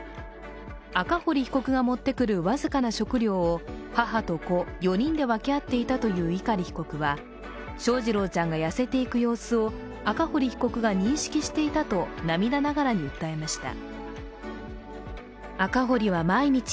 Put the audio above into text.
赤堀被告が持ってくる僅かな食料を母と子、４人で分け合っていたという碇被告は翔士郎ちゃんが痩せていく様子を赤堀被告が認識していたと涙ながらに訴えました。